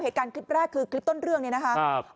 เหตุการณ์คลิปแรกคือคลิปต้นเรื่องเนี่ยนะครับ